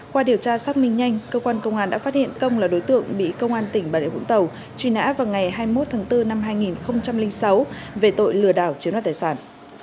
qua điều tra xác minh nhanh cơ quan công an đã phát hiện công là đối tượng bị công an tỉnh bà địa vũng tàu truy nã vào ngày hai mươi một tháng bốn năm hai nghìn sáu về tội lừa đảo chiếm đoạt tài sản